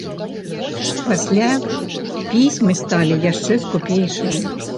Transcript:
Пасля пісьмы сталі яшчэ скупейшыя.